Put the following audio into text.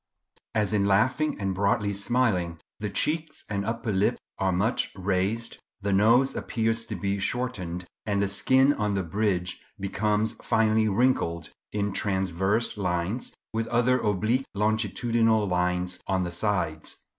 As in laughing and broadly smiling the cheeks and upper lip are much raised, the nose appears to be shortened, and the skin on the bridge becomes finely wrinkled in transverse lines, with other oblique longitudinal lines on the sides.